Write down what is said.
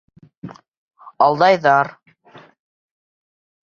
Алдайҙар!